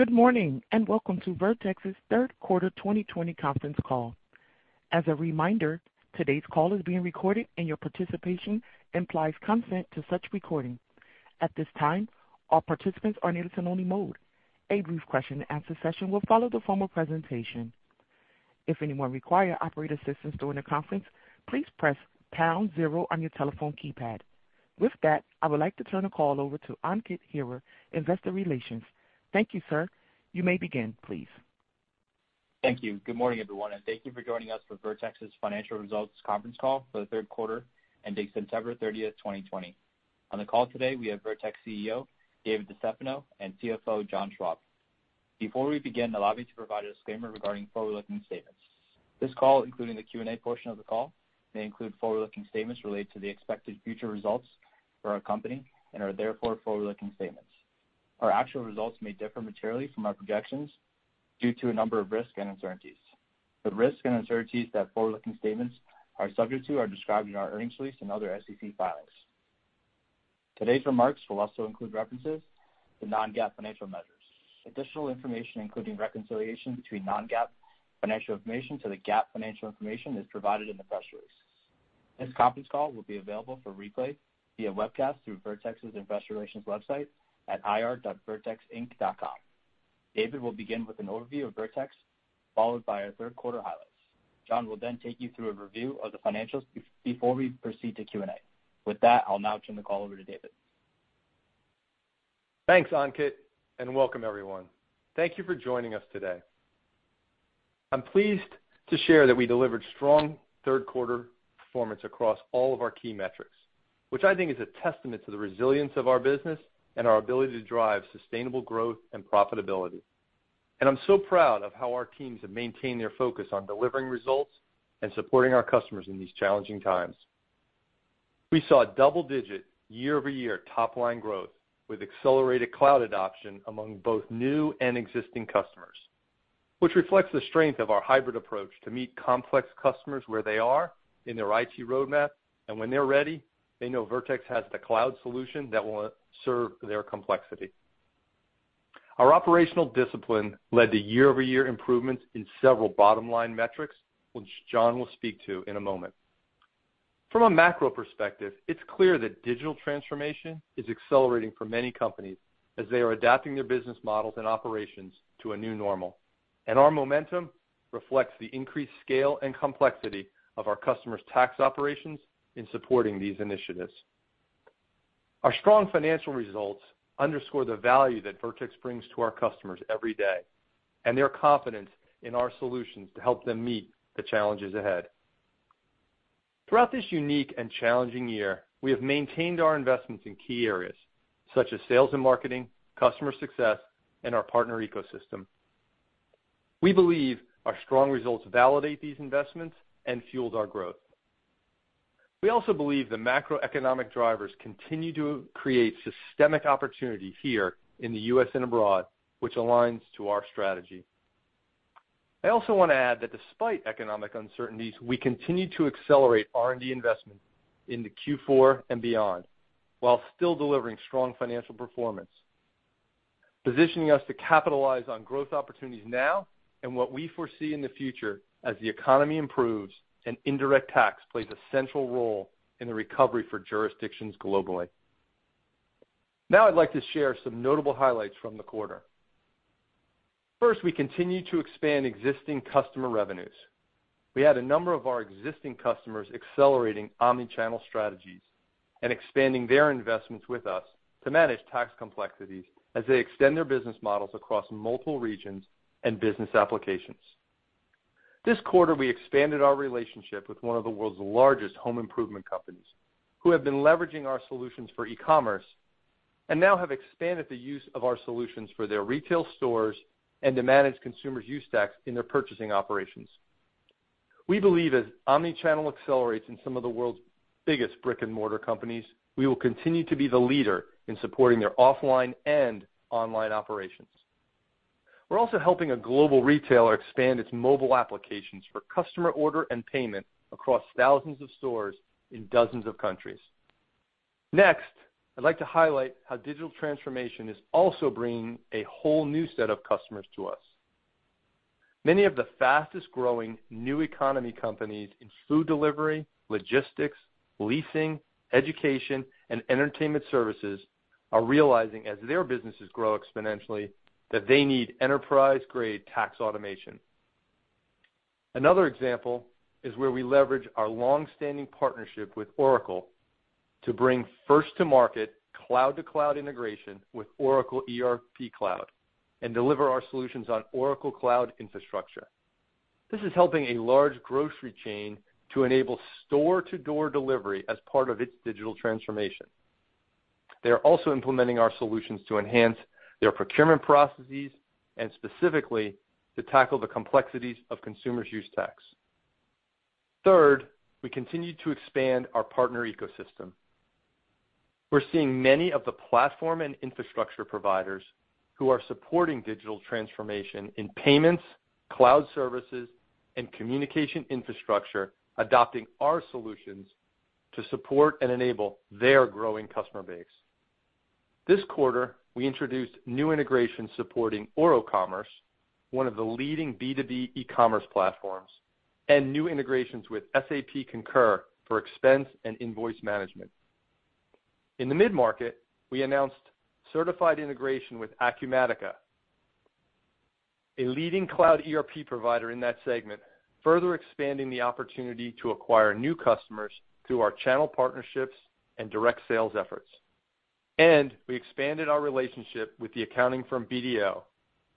Good morning, and welcome to Vertex's third quarter 2020 conference call. As a reminder, today's call is being recorded, and your participation implies consent to such recording. At this time, all participants are in a listen only mode. A brief question and answer session will follow the formal presentation. If anyone require operator assistance during the conference, please press pound zero on your telephone keypad. With that, I would like to turn the call over to Ankit Hira, Investor Relations. Thank you, sir. You may begin, please. Thank you. Good morning, everyone, and thank you for joining us for Vertex's financial results conference call for the third quarter ending September 30th, 2020. On the call today, we have Vertex CEO, David DeStefano, and CFO, John Schwab. Before we begin, I'd like you to provide a disclaimer regarding forward-looking statements. This call, including the Q&A portion of the call, may include forward-looking statements related to the expected future results for our company and are therefore forward-looking statements. Our actual results may differ materially from our projections due to a number of risks and uncertainties. The risks and uncertainties that forward-looking statements are subject to are described in our earnings release and other SEC filings. Today's remarks will also include references to non-GAAP financial measures. Additional information, including reconciliation between non-GAAP financial information to the GAAP financial information, is provided in the press release. This conference call will be available for replay via webcast through Vertex's investor relations website at ir.vertexinc.com. David will begin with an overview of Vertex, followed by our third quarter highlights. John will take you through a review of the financials before we proceed to Q&A. With that, I'll now turn the call over to David. Thanks, Ankit. Welcome everyone. Thank you for joining us today. I'm pleased to share that we delivered strong third quarter performance across all of our key metrics, which I think is a testament to the resilience of our business and our ability to drive sustainable growth and profitability. I'm so proud of how our teams have maintained their focus on delivering results and supporting our customers in these challenging times. We saw double-digit year-over-year top-line growth with accelerated cloud adoption among both new and existing customers, which reflects the strength of our hybrid approach to meet complex customers where they are in their IT roadmap. When they're ready, they know Vertex has the cloud solution that will serve their complexity. Our operational discipline led to year-over-year improvements in several bottom-line metrics, which John will speak to in a moment. From a macro perspective, it's clear that digital transformation is accelerating for many companies as they are adapting their business models and operations to a new normal. Our momentum reflects the increased scale and complexity of our customers' tax operations in supporting these initiatives. Our strong financial results underscore the value that Vertex brings to our customers every day, and their confidence in our solutions to help them meet the challenges ahead. Throughout this unique and challenging year, we have maintained our investments in key areas such as sales and marketing, customer success, and our partner ecosystem. We believe our strong results validate these investments and fueled our growth. We also believe the macroeconomic drivers continue to create systemic opportunity here in the U.S. and abroad, which aligns to our strategy. I also want to add that despite economic uncertainties, we continue to accelerate R&D investment into Q4 and beyond, while still delivering strong financial performance, positioning us to capitalize on growth opportunities now and what we foresee in the future as the economy improves and indirect tax plays a central role in the recovery for jurisdictions globally. I'd like to share some notable highlights from the quarter. First, we continue to expand existing customer revenues. We had a number of our existing customers accelerating omni-channel strategies and expanding their investments with us to manage tax complexities as they extend their business models across multiple regions and business applications. This quarter, we expanded our relationship with one of the world's largest home improvement companies, who have been leveraging our solutions for e-commerce and now have expanded the use of our solutions for their retail stores and to manage consumer use tax in their purchasing operations. We believe as omni-channel accelerates in some of the world's biggest brick-and-mortar companies, we will continue to be the leader in supporting their offline and online operations. We're also helping a global retailer expand its mobile applications for customer order and payment across thousands of stores in dozens of countries. Next, I'd like to highlight how digital transformation is also bringing a whole new set of customers to us. Many of the fastest-growing new economy companies in food delivery, logistics, leasing, education, and entertainment services are realizing as their businesses grow exponentially, that they need enterprise-grade tax automation. Another example is where we leverage our longstanding partnership with Oracle to bring first-to-market cloud-to-cloud integration with Oracle ERP Cloud and deliver our solutions on Oracle Cloud Infrastructure. This is helping a large grocery chain to enable store-to-door delivery as part of its digital transformation. They're also implementing our solutions to enhance their procurement processes and specifically to tackle the complexities of consumer use tax. Third, we continue to expand our partner ecosystem. We're seeing many of the platform and infrastructure providers who are supporting digital transformation in payments, cloud services and communication infrastructure adopting our solutions to support and enable their growing customer base. This quarter, we introduced new integration supporting OroCommerce, one of the leading B2B e-commerce platforms, and new integrations with SAP Concur for expense and invoice management. In the mid-market, we announced certified integration with Acumatica, a leading cloud ERP provider in that segment, further expanding the opportunity to acquire new customers through our channel partnerships and direct sales efforts. We expanded our relationship with the accounting firm BDO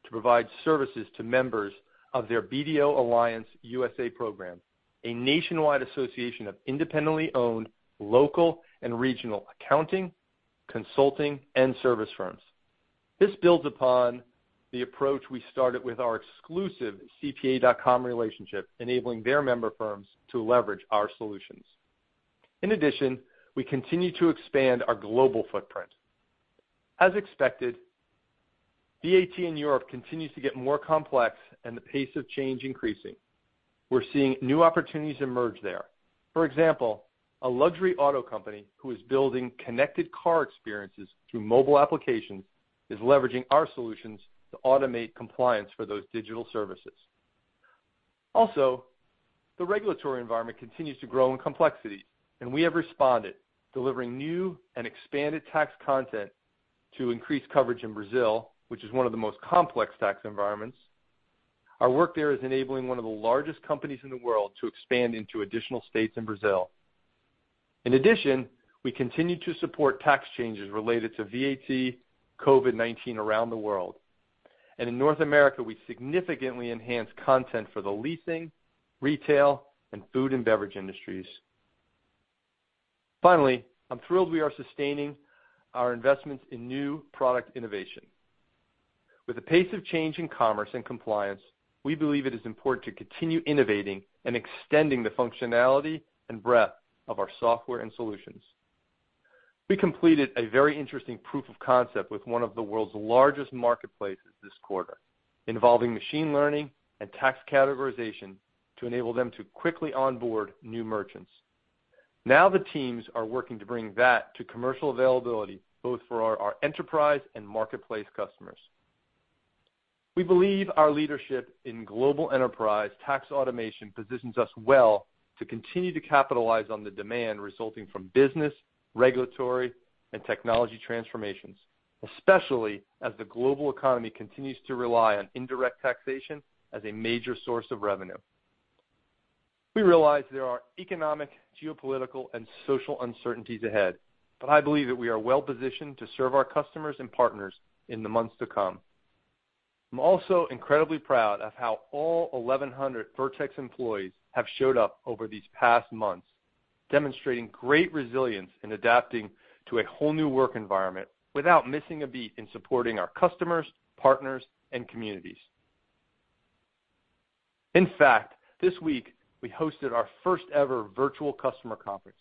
to provide services to members of their BDO Alliance USA program, a nationwide association of independently owned local and regional accounting, consulting, and service firms. This builds upon the approach we started with our exclusive CPA.com relationship, enabling their member firms to leverage our solutions. In addition, we continue to expand our global footprint. As expected, VAT in Europe continues to get more complex and the pace of change increasing. We're seeing new opportunities emerge there. For example, a luxury auto company who is building connected car experiences through mobile applications is leveraging our solutions to automate compliance for those digital services. Also, the regulatory environment continues to grow in complexity, and we have responded, delivering new and expanded tax content to increase coverage in Brazil, which is one of the most complex tax environments. Our work there is enabling one of the largest companies in the world to expand into additional states in Brazil. In addition, we continue to support tax changes related to VAT, COVID-19 around the world. In North America, we significantly enhanced content for the leasing, retail, and food and beverage industries. Finally, I'm thrilled we are sustaining our investments in new product innovation. With the pace of change in commerce and compliance, we believe it is important to continue innovating and extending the functionality and breadth of our software and solutions. We completed a very interesting proof of concept with one of the world's largest marketplaces this quarter, involving machine learning and tax categorization to enable them to quickly onboard new merchants. The teams are working to bring that to commercial availability, both for our enterprise and marketplace customers. We believe our leadership in global enterprise tax automation positions us well to continue to capitalize on the demand resulting from business, regulatory, and technology transformations, especially as the global economy continues to rely on indirect taxation as a major source of revenue. We realize there are economic, geopolitical, and social uncertainties ahead, but I believe that we are well-positioned to serve our customers and partners in the months to come. I'm also incredibly proud of how all 1,100 Vertex employees have showed up over these past months, demonstrating great resilience in adapting to a whole new work environment without missing a beat in supporting our customers, partners, and communities. This week, we hosted our first ever virtual customer conference,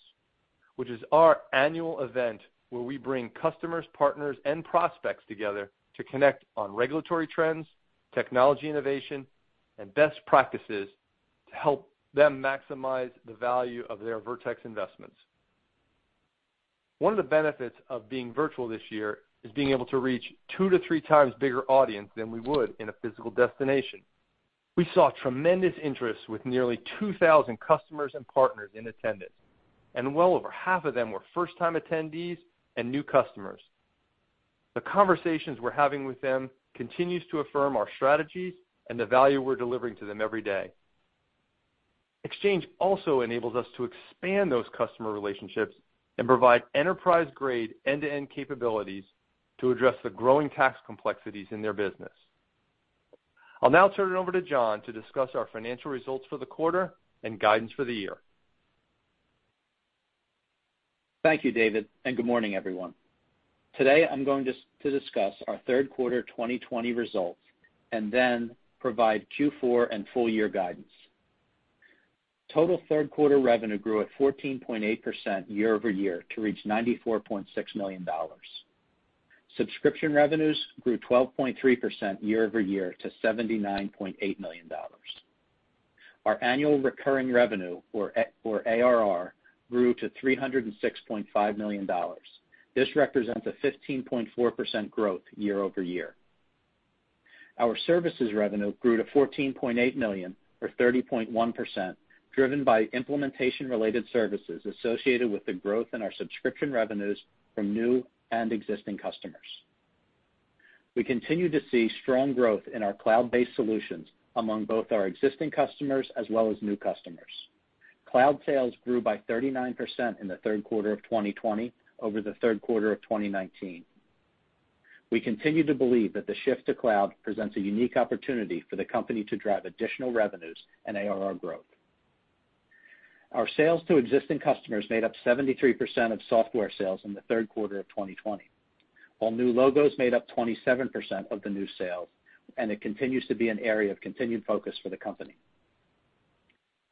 which is our annual event where we bring customers, partners, and prospects together to connect on regulatory trends, technology innovation, and best practices to help them maximize the value of their Vertex investments. One of the benefits of being virtual this year is being able to reach two to three times bigger audience than we would in a physical destination. We saw tremendous interest with nearly 2,000 customers and partners in attendance, well over half of them were first-time attendees and new customers. The conversations we're having with them continues to affirm our strategies and the value we're delivering to them every day. Exchange also enables us to expand those customer relationships and provide enterprise-grade end-to-end capabilities to address the growing tax complexities in their business. I'll now turn it over to John to discuss our financial results for the quarter and guidance for the year. Thank you, David, and good morning, everyone. Today, I'm going to discuss our third quarter 2020 results and then provide Q4 and full year guidance. Total third quarter revenue grew at 14.8% year-over-year to reach $94.6 million. Subscription revenues grew 12.3% year-over-year to $79.8 million. Our annual recurring revenue, or ARR, grew to $306.5 million. This represents a 15.4% growth year-over-year. Our services revenue grew to $14.8 million or 30.1%, driven by implementation-related services associated with the growth in our subscription revenues from new and existing customers. We continue to see strong growth in our cloud-based solutions among both our existing customers as well as new customers. Cloud sales grew by 39% in the third quarter of 2020 over the third quarter of 2019. We continue to believe that the shift to cloud presents a unique opportunity for the company to drive additional revenues and ARR growth. Our sales to existing customers made up 73% of software sales in the third quarter of 2020, while new logos made up 27% of the new sales, and it continues to be an area of continued focus for the company.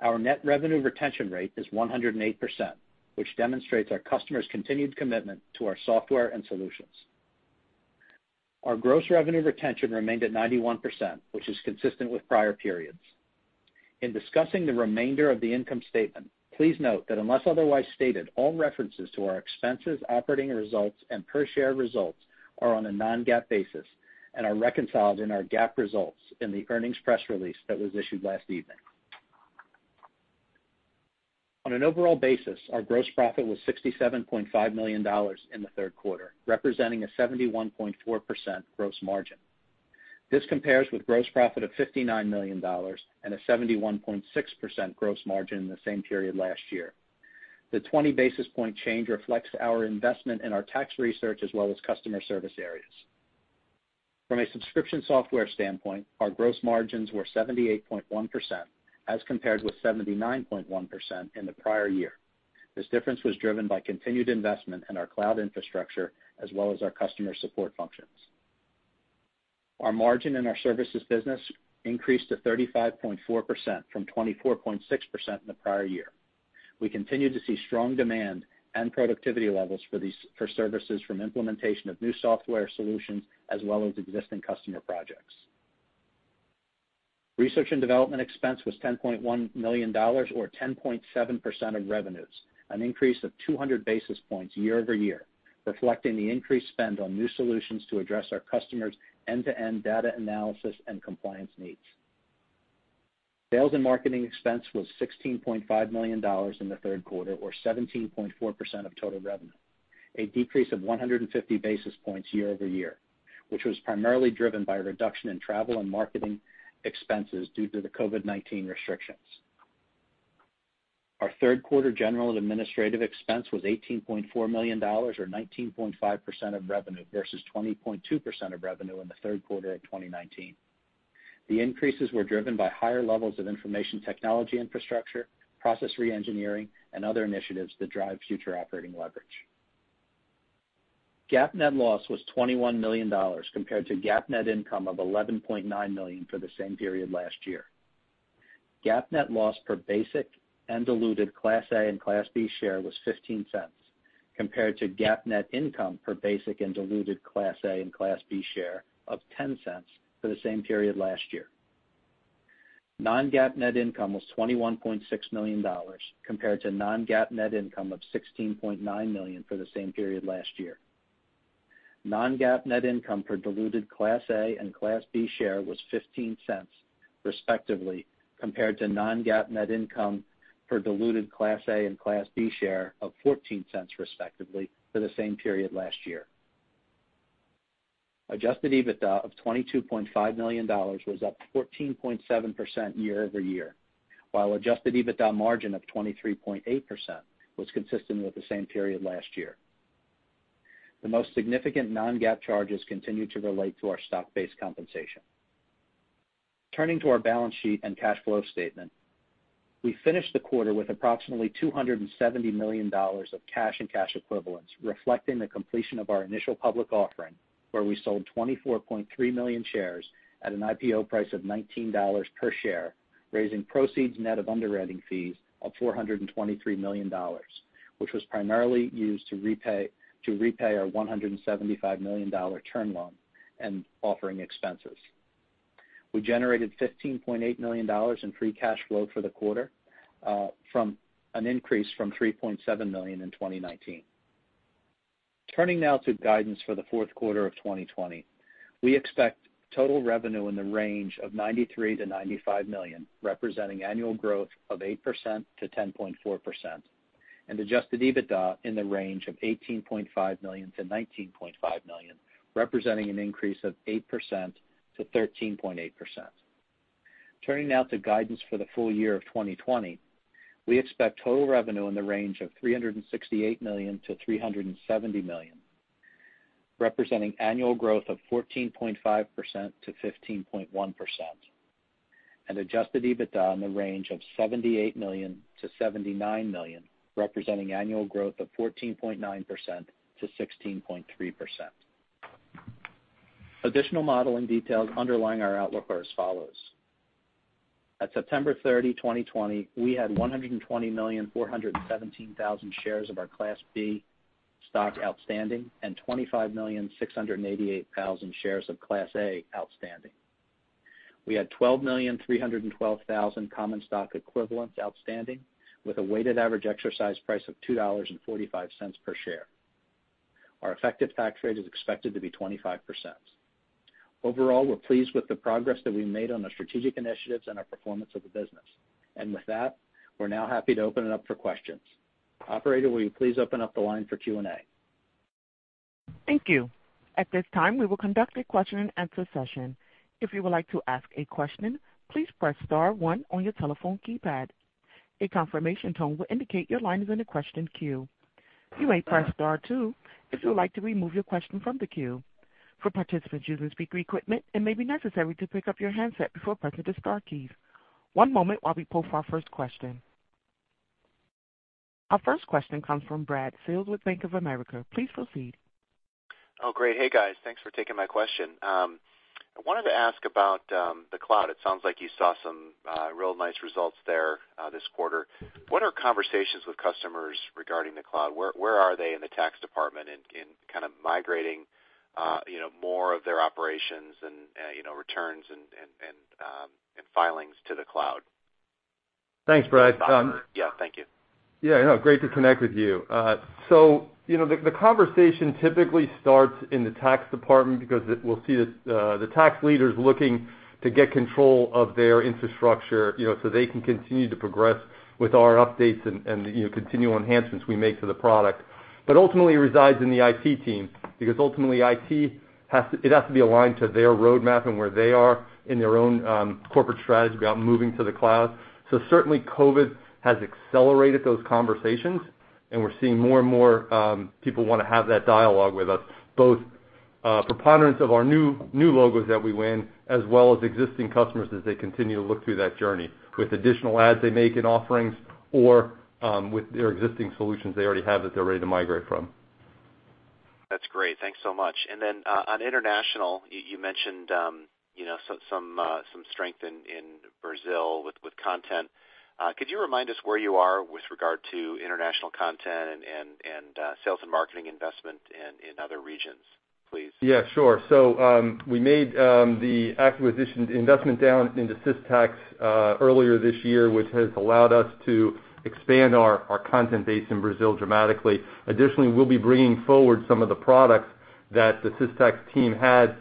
Our net revenue retention rate is 108%, which demonstrates our customers' continued commitment to our software and solutions. Our gross revenue retention remained at 91%, which is consistent with prior periods. In discussing the remainder of the income statement, please note that unless otherwise stated, all references to our expenses, operating results, and per share results are on a non-GAAP basis and are reconciled in our GAAP results in the earnings press release that was issued last evening. On an overall basis, our gross profit was $67.5 million in the third quarter, representing a 71.4% gross margin. This compares with gross profit of $59 million and a 71.6% gross margin in the same period last year. The 20-basis-point change reflects our investment in our tax research as well as customer service areas. From a subscription software standpoint, our gross margins were 78.1%, as compared with 79.1% in the prior year. This difference was driven by continued investment in our cloud infrastructure as well as our customer support functions. Our margin in our services business increased to 35.4% from 24.6% in the prior year. We continue to see strong demand and productivity levels for services from implementation of new software solutions, as well as existing customer projects. Research and development expense was $10.1 million, or 10.7% of revenues, an increase of 200 basis points year-over-year, reflecting the increased spend on new solutions to address our customers' end-to-end data analysis and compliance needs. Sales and marketing expense was $16.5 million in the third quarter, or 17.4% of total revenue, a decrease of 150 basis points year-over-year, which was primarily driven by a reduction in travel and marketing expenses due to the COVID-19 restrictions. Our third quarter general and administrative expense was $18.4 million, or 19.5% of revenue, versus 20.2% of revenue in the third quarter of 2019. The increases were driven by higher levels of information technology infrastructure, process re-engineering, and other initiatives that drive future operating leverage. GAAP net loss was $21 million compared to GAAP net income of $11.9 million for the same period last year. GAAP net loss per basic and diluted Class A and Class B share was $0.15, compared to GAAP net income per basic and diluted Class A and Class B share of $0.10 for the same period last year. Non-GAAP net income was $21.6 million compared to non-GAAP net income of $16.9 million for the same period last year. Non-GAAP net income per diluted Class A and Class B share was $0.15, respectively, compared to non-GAAP net income per diluted Class A and Class B share of $0.14, respectively, for the same period last year. Adjusted EBITDA of $22.5 million was up 14.7% year-over-year, while adjusted EBITDA margin of 23.8% was consistent with the same period last year. The most significant non-GAAP charges continue to relate to our stock-based compensation. Turning to our balance sheet and cash flow statement. We finished the quarter with approximately $270 million of cash and cash equivalents, reflecting the completion of our IPO, where we sold 24.3 million shares at an IPO price of $19 per share, raising proceeds net of underwriting fees of $423 million, which was primarily used to repay our $175 million term loan and offering expenses. We generated $15.8 million in free cash flow for the quarter, an increase from $3.7 million in 2019. Turning now to guidance for the fourth quarter of 2020. We expect total revenue in the range of $93 million-$95 million, representing annual growth of 8%-10.4%, and adjusted EBITDA in the range of $18.5 million-$19.5 million, representing an increase of 8%-13.8%. Turning now to guidance for the full year of 2020. We expect total revenue in the range of $368 million-$370 million, representing annual growth of 14.5%-15.1%, and adjusted EBITDA in the range of $78 million-$79 million, representing annual growth of 14.9%-16.3%. Additional modeling details underlying our outlook are as follows. At September 30, 2020, we had 120,417,000 shares of our Class B stock outstanding and 25,688,000 shares of Class A outstanding. We had 12,312,000 common stock equivalents outstanding with a weighted average exercise price of $2.45 per share. Our effective tax rate is expected to be 25%. Overall, we're pleased with the progress that we made on our strategic initiatives and our performance of the business. With that, we're now happy to open it up for questions. Operator, will you please open up the line for Q&A? Thank you. At this time, we will conduct a question and answer session. If you would like to ask a question, please press star one on your telephone keypad. A confirmation tone will indicate your line is in the question queue. You may press star two if you would like to remove your question from the queue. For participants using speaker equipment it maybe necessary to pick up your handset before pressing the star key. One moment while we poll for our first question. Our first question comes from Brad Sills with Bank of America. Please proceed. Oh, great. Hey, guys. Thanks for taking my question. I wanted to ask about the cloud. It sounds like you saw some real nice results there this quarter. What are conversations with customers regarding the cloud? Where are they in the tax department in migrating more of their operations and returns and filings to the cloud? Thanks, Brad. Yeah, thank you. Great to connect with you. The conversation typically starts in the tax department, because we'll see the tax leaders looking to get control of their infrastructure, so they can continue to progress with our updates and continue enhancements we make to the product. Ultimately, it resides in the IT team, because ultimately IT has to be aligned to their roadmap and where they are in their own corporate strategy about moving to the cloud. Certainly COVID has accelerated those conversations, and we're seeing more and more people want to have that dialogue with us, both preponderance of our new logos that we win, as well as existing customers as they continue to look through that journey with additional adds they make in offerings or with their existing solutions they already have that they're ready to migrate from. That's great. Thanks so much. On international, you mentioned some strength in Brazil with content. Could you remind us where you are with regard to international content and sales and marketing investment in other regions, please? Yeah, sure. We made the acquisition, the investment down into Systax earlier this year, which has allowed us to expand our content base in Brazil dramatically. Additionally, we'll be bringing forward some of the products that the Systax team had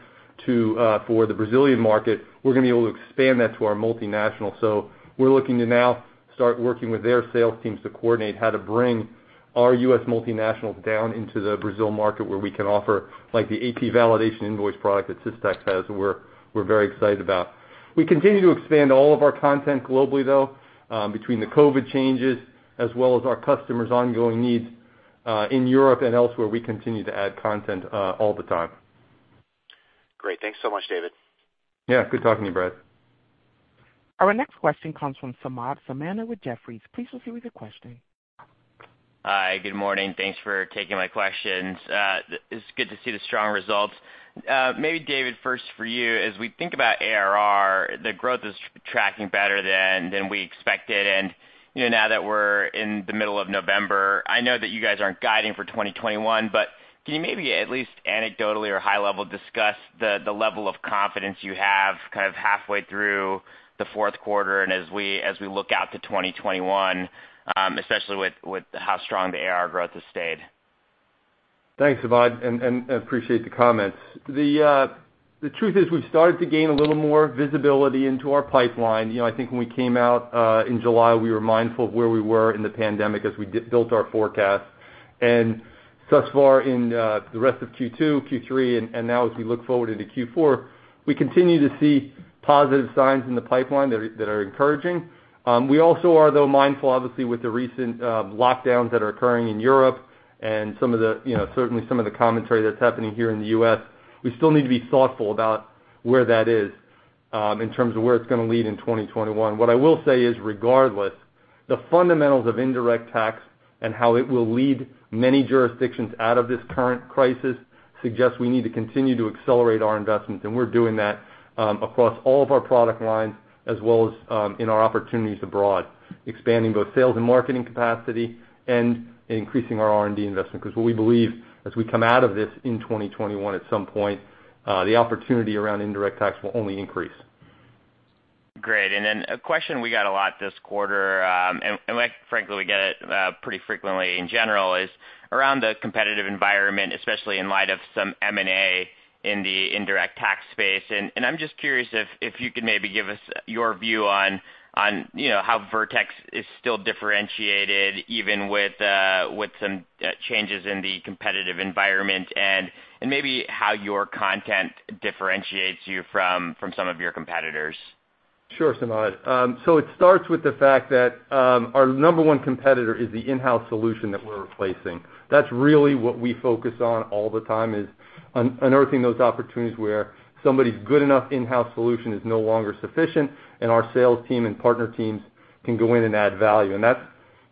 for the Brazilian market. We're going to be able to expand that to our multinational. We're looking to now start working with their sales teams to coordinate how to bring our U.S. multinationals down into the Brazil market where we can offer the AP validation invoice product that Systax has, we're very excited about. We continue to expand all of our content globally, though, between the COVID changes as well as our customers' ongoing needs, in Europe and elsewhere, we continue to add content all the time. Great. Thanks so much, David. Yeah. Good talking to you, Brad. Our next question comes from Samad Samana with Jefferies. Please proceed with your question. Hi, good morning. Thanks for taking my questions. It's good to see the strong results. Maybe David, first for you, as we think about ARR, the growth is tracking better than we expected, and now that we're in the middle of November, I know that you guys aren't guiding for 2021, but can you maybe at least anecdotally or high level discuss the level of confidence you have kind of halfway through the fourth quarter and as we look out to 2021, especially with how strong the ARR growth has stayed? Thanks, Samad, and appreciate the comments. The truth is we've started to gain a little more visibility into our pipeline. I think when we came out in July, we were mindful of where we were in the pandemic as we built our forecast. Thus far in the rest of Q2, Q3, and now as we look forward into Q4, we continue to see positive signs in the pipeline that are encouraging. We also are, though, mindful, obviously, with the recent lockdowns that are occurring in Europe and certainly some of the commentary that's happening here in the U.S. We still need to be thoughtful about where that is, in terms of where it's going to lead in 2021. What I will say is, regardless, the fundamentals of indirect tax and how it will lead many jurisdictions out of this current crisis suggests we need to continue to accelerate our investments, and we're doing that across all of our product lines as well as in our opportunities abroad, expanding both sales and marketing capacity and increasing our R&D investment. Because we believe as we come out of this in 2021 at some point, the opportunity around indirect tax will only increase. Great. Then a question we got a lot this quarter, and frankly we get it pretty frequently in general, is around the competitive environment, especially in light of some M&A in the indirect tax space. I'm just curious if you could maybe give us your view on how Vertex is still differentiated even with some changes in the competitive environment and maybe how your content differentiates you from some of your competitors. Sure, Samad. It starts with the fact that our number one competitor is the in-house solution that we're replacing. That's really what we focus on all the time is unearthing those opportunities where somebody's good enough in-house solution is no longer sufficient, and our sales team and partner teams can go in and add value. That's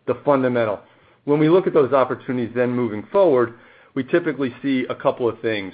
the fundamental. When we look at those opportunities then moving forward, we typically see a couple of things.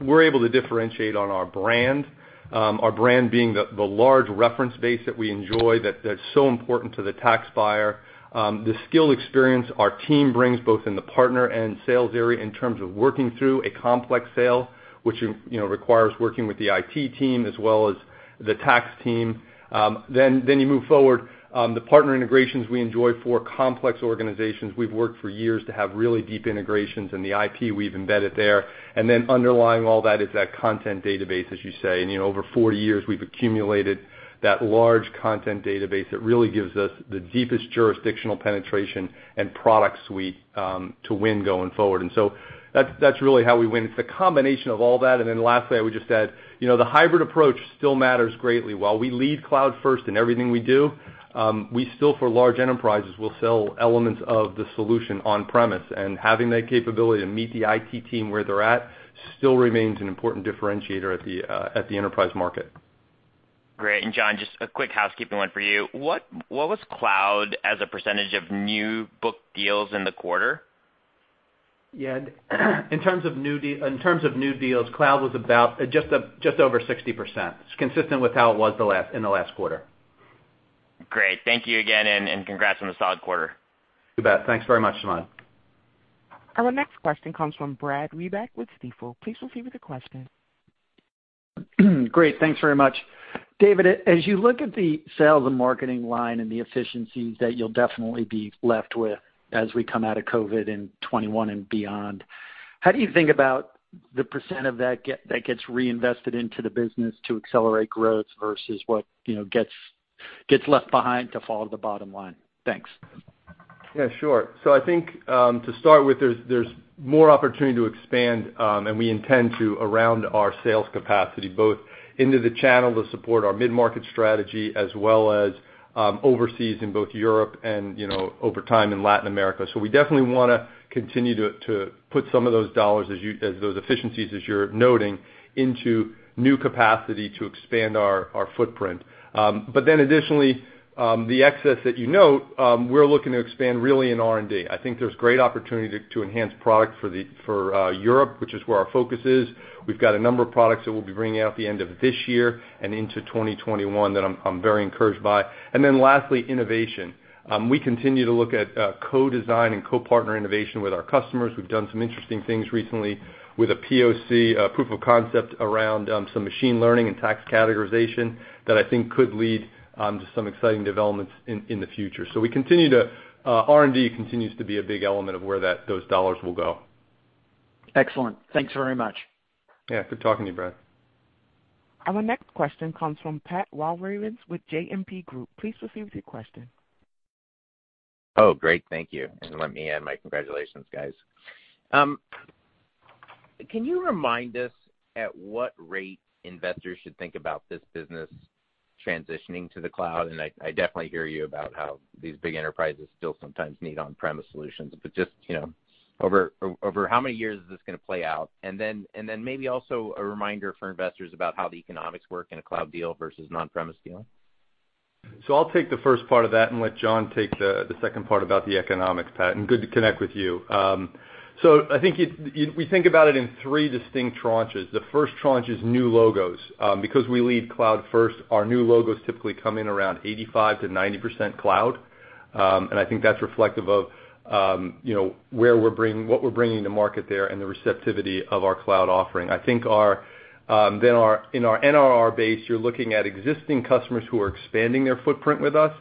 We're able to differentiate on our brand, our brand being the large reference base that we enjoy that's so important to the tax buyer. The skill experience our team brings both in the partner and sales area in terms of working through a complex sale, which requires working with the IT team as well as the tax team. You move forward. The partner integrations we enjoy for complex organizations, we've worked for years to have really deep integrations and the IP we've embedded there. Underlying all that is that content database, as you say. Over 40 years, we've accumulated that large content database that really gives us the deepest jurisdictional penetration and product suite to win going forward. That's really how we win. It's the combination of all that. Lastly, I would just add, the hybrid approach still matters greatly. While we lead cloud first in everything we do, we still, for large enterprises, will sell elements of the solution on premise. Having that capability to meet the IT team where they're at still remains an important differentiator at the enterprise market. Great. John, just a quick housekeeping one for you. What was cloud as a percentage of new book deals in the quarter? In terms of new deals, cloud was about just over 60%. It's consistent with how it was in the last quarter. Great. Thank you again, and congrats on the solid quarter. You bet. Thanks very much, Samad. Our next question comes from Brad Reback with Stifel. Please proceed with your question. Great. Thanks very much. David, as you look at the sales and marketing line and the efficiencies that you'll definitely be left with as we come out of COVID in 2021 and beyond, how do you think about the percent of that gets reinvested into the business to accelerate growth versus what gets left behind to fall to the bottom line? Thanks. Yeah, sure. I think, to start with, there's more opportunity to expand, and we intend to, around our sales capacity, both into the channel to support our mid-market strategy, as well as overseas in both Europe and, over time, in Latin America. We definitely want to continue to put some of those dollars, those efficiencies as you're noting, into new capacity to expand our footprint. Additionally, the excess that you note, we're looking to expand really in R&D. I think there's great opportunity to enhance product for Europe, which is where our focus is. We've got a number of products that we'll be bringing out at the end of this year and into 2021 that I'm very encouraged by. Lastly, innovation. We continue to look at co-design and co-partner innovation with our customers. We've done some interesting things recently with a POC, proof of concept, around some machine learning and tax categorization that I think could lead to some exciting developments in the future. R&D continues to be a big element of where those dollars will go. Excellent. Thanks very much. Yeah. Good talking to you, Brad. Our next question comes from Patrick Walravens with JMP Securities. Please proceed with your question. Oh, great. Thank you. Let me add my congratulations, guys. Can you remind us at what rate investors should think about this business transitioning to the cloud? I definitely hear you about how these big enterprises still sometimes need on-premise solutions, but just over how many years is this going to play out? Then maybe also a reminder for investors about how the economics work in a cloud deal versus an on-premise deal. I'll take the first part of that and let John take the second part about the economics, Patrick, and good to connect with you. I think we think about it in three distinct tranches. Because we lead cloud first, our new logos typically come in around 85%-90% cloud, and I think that's reflective of what we're bringing to market there and the receptivity of our cloud offering. I think in our NRR base, you're looking at existing customers who are expanding their footprint with us,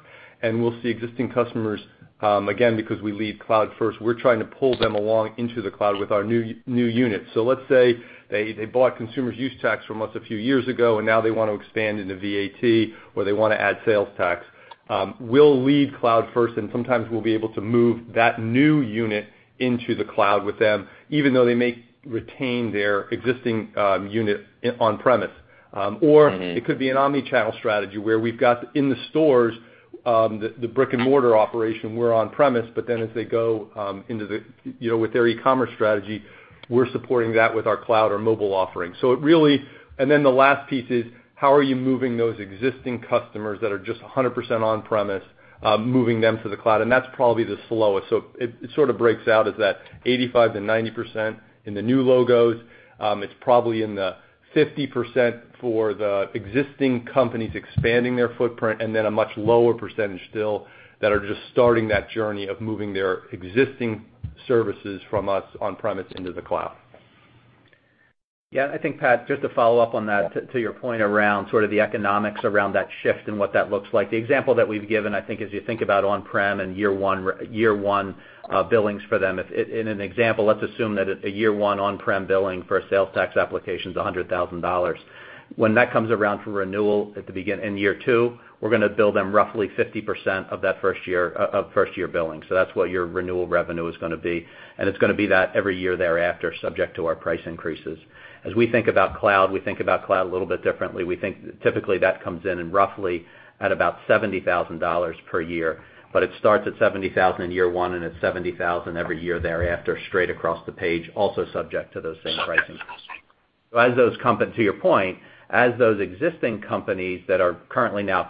and we'll see existing customers, again, because we lead cloud first, we're trying to pull them along into the cloud with our new units. Let's say they bought consumer use tax from us a few years ago, and now they want to expand into VAT, or they want to add sales tax. We'll lead cloud first, and sometimes we'll be able to move that new unit into the cloud with them, even though they may retain their existing unit on-premise. It could be an omni-channel strategy where we've got in the stores, the brick and mortar operation, we're on-premise, but then as they go with their e-commerce strategy, we're supporting that with our cloud or mobile offering. The last piece is how are you moving those existing customers that are just 100% on-premise, moving them to the cloud, and that's probably the slowest. It sort of breaks out as that 85%-90% in the new logos. It's probably in the 50% for the existing companies expanding their footprint, and then a much lower percentage still that are just starting that journey of moving their existing services from us on-premise into the cloud. Yeah, I think, Patrick, just to follow up on that, to your point around sort of the economics around that shift and what that looks like. The example that we've given, I think, as you think about on-prem and year one billings for them, in an example, let's assume that a year one on-prem billing for a sales tax application's $100,000. When that comes around for renewal in year two, we're going to bill them roughly 50% of first year billing. That's what your renewal revenue is going to be, and it's going to be that every year thereafter, subject to our price increases. As we think about cloud, we think about cloud a little bit differently. We think typically that comes in roughly at about $70,000 per year. It starts at $70,000 in year one, it's $70,000 every year thereafter, straight across the page, also subject to those same price increases. To your point, as those existing companies that currently now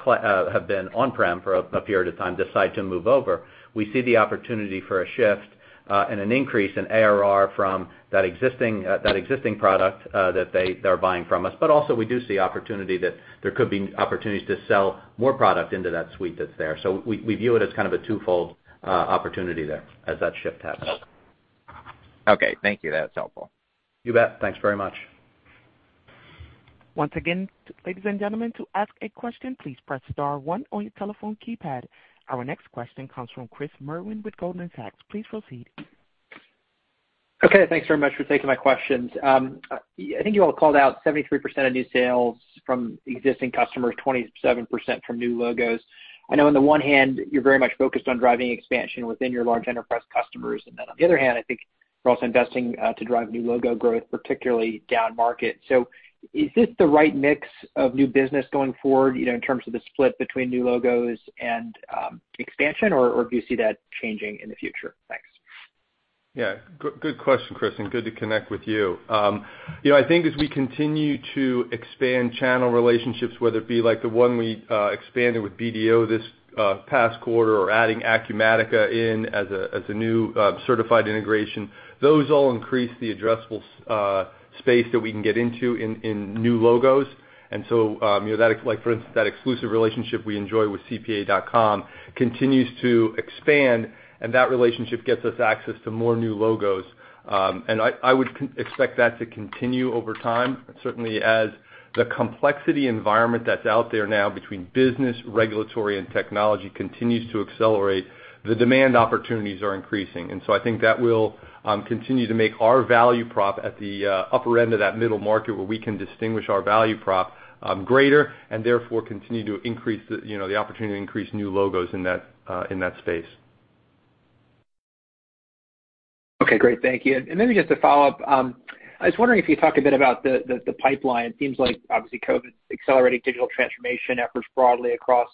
have been on-prem for a period of time decide to move over, we see the opportunity for a shift and an increase in ARR from that existing product that they're buying from us. Also, we do see there could be opportunities to sell more product into that suite that's there. We view it as kind of a twofold opportunity there as that shift happens. Okay. Thank you. That's helpful. You bet. Thanks very much. Once again, ladies and gentlemen, to ask a question, please press star one on your telephone keypad. Our next question comes from Chris Merwin with Goldman Sachs. Please proceed. Okay, thanks very much for taking my questions. I think you all called out 73% of new sales from existing customers, 27% from new logos. I know on the one hand, you're very much focused on driving expansion within your large enterprise customers. On the other hand, I think you're also investing to drive new logo growth, particularly down market. Is this the right mix of new business going forward in terms of the split between new logos and expansion, or do you see that changing in the future? Thanks. Good question, Chris, and good to connect with you. I think as we continue to expand channel relationships, whether it be like the one we expanded with BDO this past quarter or adding Acumatica in as a new certified integration, those all increase the addressable space that we can get into in new logos. For instance, that exclusive relationship we enjoy with CPA.com continues to expand, and that relationship gets us access to more new logos. I would expect that to continue over time. Certainly as the complexity environment that's out there now between business, regulatory, and technology continues to accelerate, the demand opportunities are increasing. I think that will continue to make our value prop at the upper end of that middle market, where we can distinguish our value prop greater, and therefore continue to increase the opportunity to increase new logos in that space. Okay, great. Thank you. Then just to follow up, I was wondering if you'd talk a bit about the pipeline. It seems like obviously COVID-19's accelerating digital transformation efforts broadly across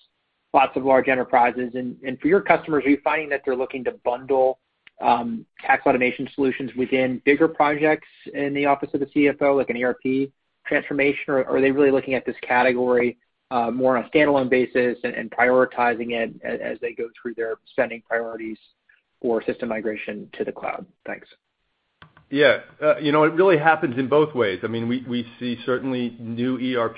lots of large enterprises. For your customers, are you finding that they're looking to bundle tax automation solutions within bigger projects in the office of the CFO, like an ERP transformation, or are they really looking at this category more on a standalone basis and prioritizing it as they go through their spending priorities for system migration to the cloud? Thanks. Yeah. It really happens in both ways. We see certainly new ERP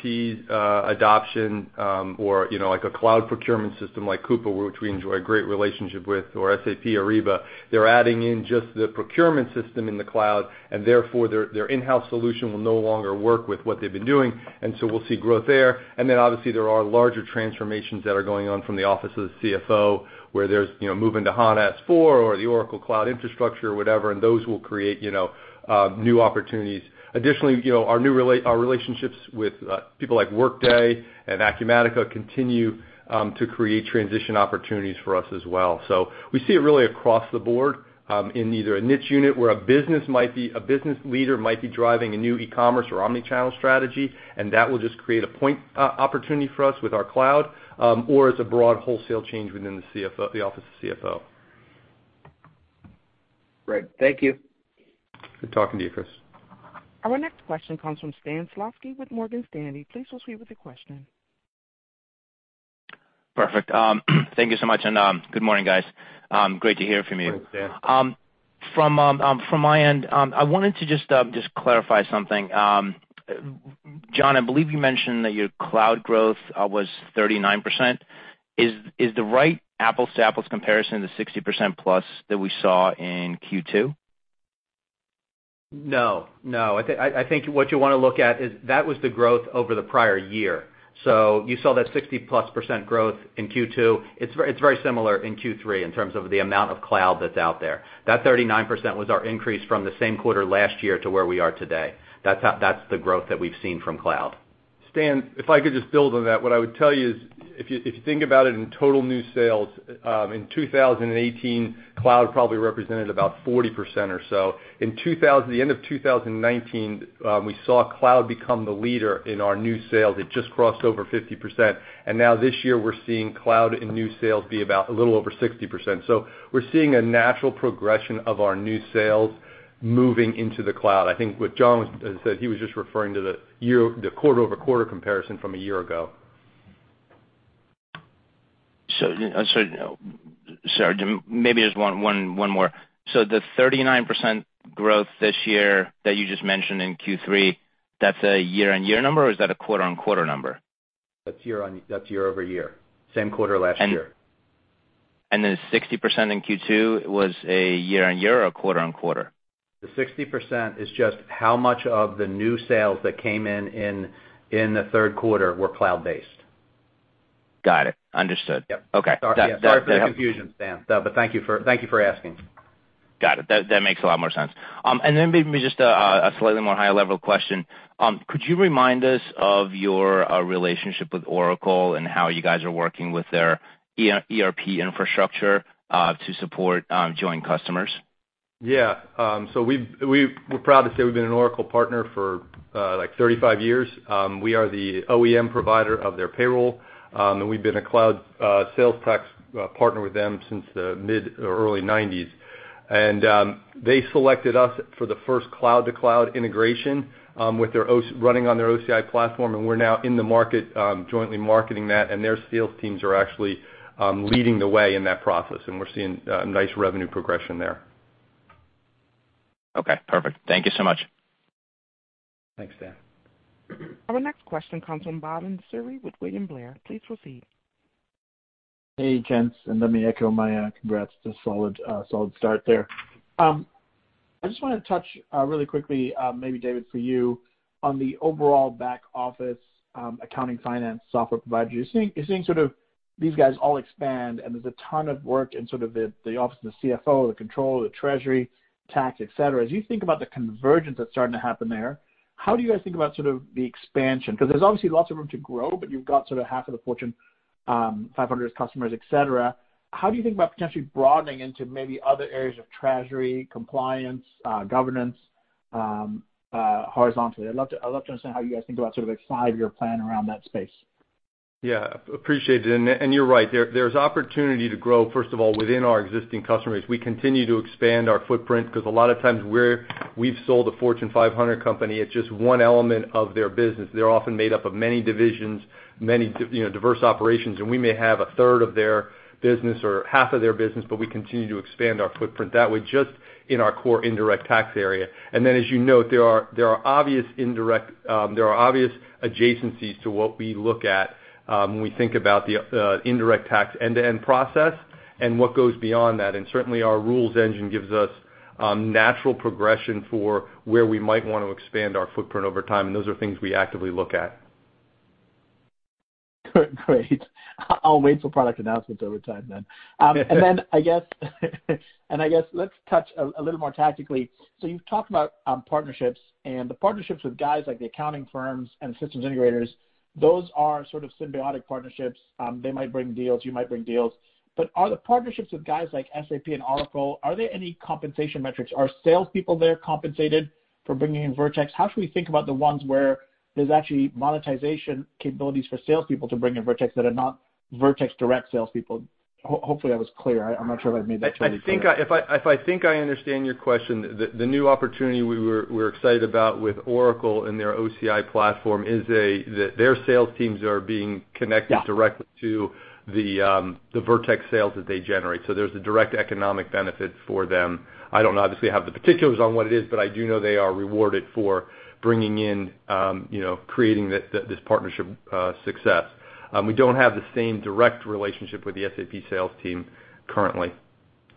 adoption or a cloud procurement system like Coupa, which we enjoy a great relationship with, or SAP Ariba. They're adding in just the procurement system in the cloud, and therefore, their in-house solution will no longer work with what they've been doing, and so we'll see growth there. Then obviously there are larger transformations that are going on from the office of the CFO, where there's moving to SAP S/4HANA or the Oracle Cloud Infrastructure or whatever, and those will create new opportunities. Additionally, our relationships with people like Workday and Acumatica continue to create transition opportunities for us as well. We see it really across the board, in either a niche unit where a business leader might be driving a new e-commerce or omnichannel strategy, and that will just create a point opportunity for us with our cloud, or as a broad wholesale change within the office of the CFO. Great. Thank you. Good talking to you, Chris. Our next question comes from Stan Zlotsky with Morgan Stanley. Please proceed with your question. Perfect. Thank you so much, and good morning, guys. Great to hear from you. Thanks, Stan. From my end, I wanted to just clarify something. John, I believe you mentioned that your cloud growth was 39%. Is the right apples to apples comparison the 60%+ that we saw in Q2? No. I think what you want to look at is that was the growth over the prior year. You saw that 60+% growth in Q2. It's very similar in Q3 in terms of the amount of cloud that's out there. That 39% was our increase from the same quarter last year to where we are today. That's the growth that we've seen from cloud. Stan, if I could just build on that, what I would tell you is, if you think about it in total new sales, in 2018, cloud probably represented about 40% or so. In the end of 2019, we saw cloud become the leader in our new sales. It just crossed over 50%. Now this year, we're seeing cloud in new sales be about a little over 60%. We're seeing a natural progression of our new sales moving into the cloud. I think what John said, he was just referring to the quarter-over-quarter comparison from a year ago. Sorry, maybe just one more. The 39% growth this year that you just mentioned in Q3, that's a year-on-year number, or is that a quarter-on-quarter number? That's year-over-year. Same quarter last year. The 60% in Q2 was a year-on-year or a quarter-on-quarter? The 60% is just how much of the new sales that came in in the third quarter were cloud-based. Got it. Understood. Yep. Okay. Sorry for the confusion, Stan. Thank you for asking. Got it. That makes a lot more sense. Then maybe just a slightly more high-level question. Could you remind us of your relationship with Oracle and how you guys are working with their ERP infrastructure to support joint customers? Yeah. We're proud to say we've been an Oracle partner for 35 years. We are the OEM provider of their payroll, and we've been a cloud sales tax partner with them since the mid or early 1990s. They selected us for the first cloud-to-cloud integration running on their OCI platform, and we're now in the market jointly marketing that, and their sales teams are actually leading the way in that process, and we're seeing nice revenue progression there. Okay, perfect. Thank you so much. Thanks, Stan. Our next question comes from Bhavan Suri with William Blair. Please proceed. Hey, gents, let me echo my congrats to a solid start there. I just want to touch really quickly, maybe David for you, on the overall back-office accounting finance software providers. You're seeing these guys all expand, and there's a ton of work in the office of the CFO, the controller, the treasury, tax, et cetera. As you think about the convergence that's starting to happen there, how do you guys think about the expansion? There's obviously lots of room to grow, but you've got half of the Fortune 500 as customers, et cetera. How do you think about potentially broadening into maybe other areas of treasury, compliance, governance horizontally? I'd love to understand how you guys think about a five-year plan around that space. Yeah, appreciate it. You're right. There's opportunity to grow, first of all, within our existing customer base. We continue to expand our footprint because a lot of times we've sold a Fortune 500 company at just one element of their business. They're often made up of many divisions, many diverse operations, and we may have a third of their business or half of their business, but we continue to expand our footprint that way, just in our core indirect tax area. As you note, there are obvious adjacencies to what we look at when we think about the indirect tax end-to-end process and what goes beyond that. Certainly, our rules engine gives us natural progression for where we might want to expand our footprint over time, and those are things we actively look at. Great. I'll wait for product announcements over time then. I guess let's touch a little more tactically. You've talked about partnerships and the partnerships with guys like the accounting firms and the systems integrators, those are sort of symbiotic partnerships. They might bring deals, you might bring deals. Are the partnerships with guys like SAP Ariba and Oracle, are there any compensation metrics? Are salespeople there compensated for bringing in Vertex? How should we think about the ones where there's actually monetization capabilities for salespeople to bring in Vertex that are not Vertex direct salespeople? Hopefully, I was clear. I'm not sure if I've made that totally clear. If I think I understand your question, the new opportunity we're excited about with Oracle and their OCI platform is that their sales teams are being connected- Yeah directly to the Vertex sales that they generate. There's a direct economic benefit for them. I don't obviously have the particulars on what it is, but I do know they are rewarded for bringing in, creating this partnership success. We don't have the same direct relationship with the SAP sales team currently,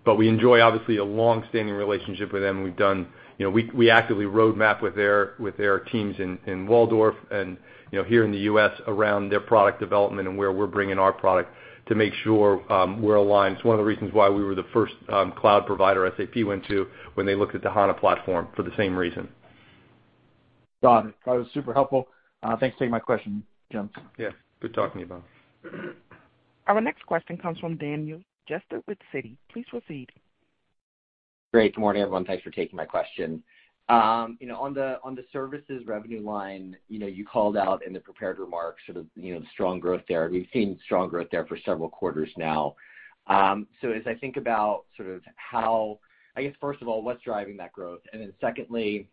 but we enjoy obviously a long-standing relationship with them. We actively roadmap with their teams in Walldorf and here in the U.S. around their product development and where we're bringing our product to make sure we're aligned. It's one of the reasons why we were the first cloud provider SAP went to when they looked at the SAP S/4HANA platform for the same reason. Got it. That was super helpful. Thanks for taking my question, David. Yeah. Good talking to you, Bhavan. Our next question comes from Daniel Jester with Citi. Please proceed. Great. Good morning, everyone. Thanks for taking my question. On the services revenue line, you called out in the prepared remarks sort of the strong growth there. We've seen strong growth there for several quarters now. As I think about sort of how, I guess, first of all, what's driving that growth? Secondly,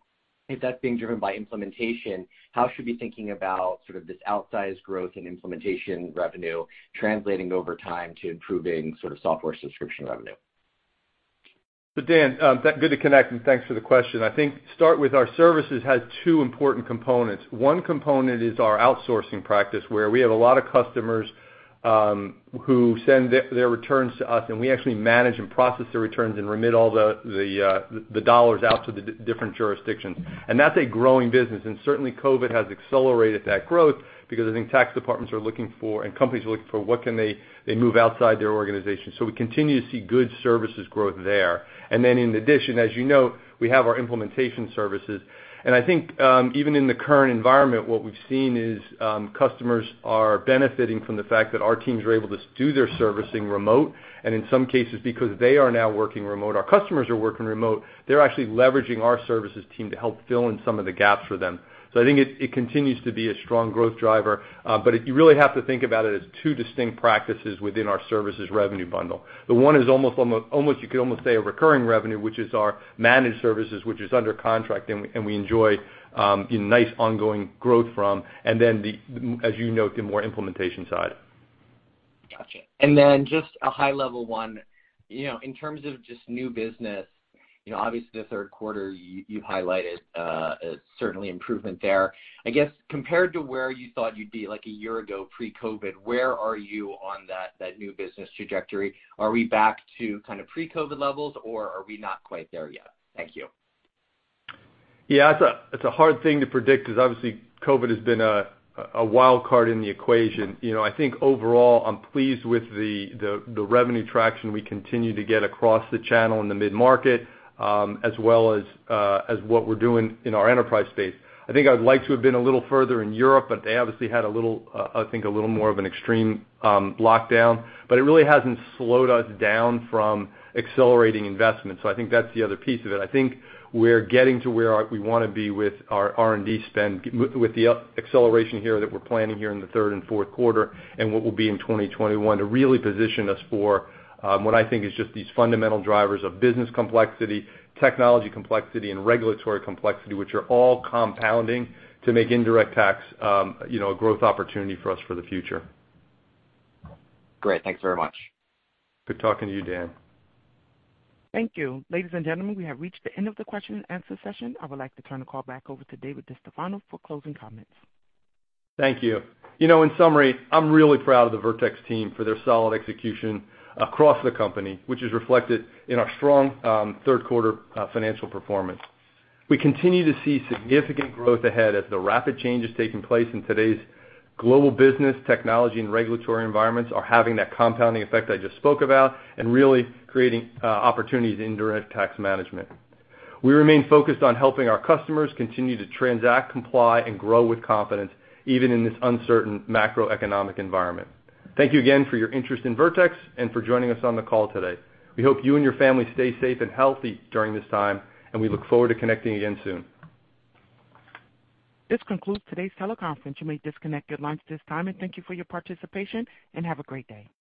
if that's being driven by implementation, how should we be thinking about sort of this outsized growth in implementation revenue translating over time to improving sort of software subscription revenue? Daniel, good to connect, and thanks for the question. I think start with our services has two important components. One component is our outsourcing practice, where we have a lot of customers who send their returns to us, and we actually manage and process their returns and remit all the dollars out to the different jurisdictions. That's a growing business, and certainly COVID has accelerated that growth because I think tax departments are looking for, and companies are looking for, what can they move outside their organization. We continue to see good services growth there. Then in addition, as you know, we have our implementation services. I think, even in the current environment, what we've seen is customers are benefiting from the fact that our teams are able to do their servicing remote. In some cases, because they are now working remote, our customers are working remote, they're actually leveraging our services team to help fill in some of the gaps for them. I think it continues to be a strong growth driver. You really have to think about it as two distinct practices within our services revenue bundle. The one is you could almost say a recurring revenue, which is our managed services, which is under contract, and we enjoy nice ongoing growth from. Then the, as you note, the more implementation side. Got you. Then just a high-level one, in terms of just new business, obviously the third quarter you've highlighted certainly improvement there. I guess compared to where you thought you'd be like a year ago pre-COVID-19, where are you on that new business trajectory? Are we back to kind of pre-COVID-19 levels, or are we not quite there yet? Thank you. Yeah. It's a hard thing to predict because obviously COVID has been a wild card in the equation. I think overall I'm pleased with the revenue traction we continue to get across the channel in the mid-market, as well as what we're doing in our enterprise space. I think I would like to have been a little further in Europe. They obviously had, I think, a little more of an extreme lockdown. It really hasn't slowed us down from accelerating investments, so I think that's the other piece of it. I think we're getting to where we want to be with our R&D spend, with the acceleration here that we're planning here in the third and fourth quarter, and what we'll be in 2021 to really position us for what I think is just these fundamental drivers of business complexity, technology complexity, and regulatory complexity, which are all compounding to make indirect tax a growth opportunity for us for the future. Great. Thanks very much. Good talking to you, Daniel. Thank you. Ladies and gentlemen, we have reached the end of the question and answer session. I would like to turn the call back over to David DeStefano for closing comments. Thank you. In summary, I'm really proud of the Vertex team for their solid execution across the company, which is reflected in our strong third quarter financial performance. We continue to see significant growth ahead as the rapid changes taking place in today's global business, technology, and regulatory environments are having that compounding effect I just spoke about and really creating opportunities in indirect tax management. We remain focused on helping our customers continue to transact, comply, and grow with confidence, even in this uncertain macroeconomic environment. Thank you again for your interest in Vertex and for joining us on the call today. We hope you and your family stay safe and healthy during this time, and we look forward to connecting again soon. This concludes today's teleconference. You may disconnect your lines at this time, and thank you for your participation, and have a great day.